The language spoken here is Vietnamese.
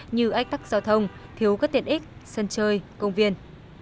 như ách tắc giao thông thiếu các tiện ích sân chơi công viên